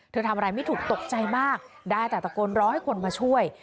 ทำอะไรไม่ถูกตกใจมากได้แต่ตะโกนร้องให้คนมาช่วย